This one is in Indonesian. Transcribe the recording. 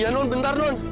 iya nun bentar nun